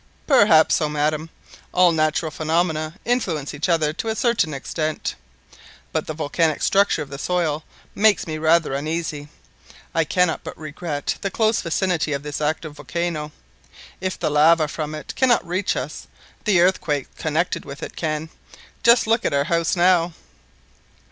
"Perhaps so, madam. All natural phenomena influence each other to a certain extent. But the volcanic structure of the soil makes me rather uneasy. I cannot but regret the close vicinity of this active volcano. If the lava from it cannot reach us, the earthquakes connected with it can. Just look at our house now!"